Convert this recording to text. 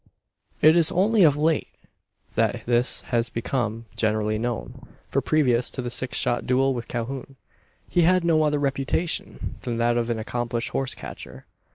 It is only of late that this has become generally known: for previous to the six shot duel with Calhoun, he had no other reputation than that of an accomplished horse catcher.